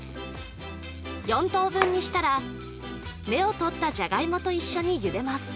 ４等分にしたら芽を取ったじゃがいもと一緒にゆでます